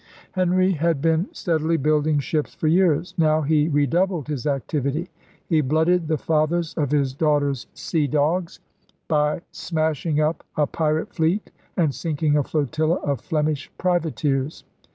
Henry had been steadily building ships for years. Now he redoubled his activity. He blooded the fathers of his daughter's sea dogs by 26 ELIZABETHAN SEA DOGS smashing up a pirate fleet and sinking a flotilla of Flemish privateers.